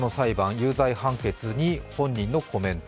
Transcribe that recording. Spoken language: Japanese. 有罪判決に本人にのコメント。